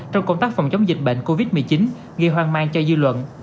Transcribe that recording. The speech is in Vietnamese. trong công tác phòng chống dịch bệnh covid một mươi chín gây hoang mang cho dư luận